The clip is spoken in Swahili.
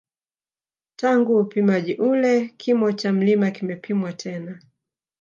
Tangu upimaji ule kimo cha mlima kimepimwa tena